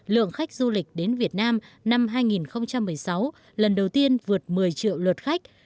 lượng khách du lịch đến việt nam năm hai nghìn một mươi sáu lần đầu tiên vượt một mươi triệu lượt khách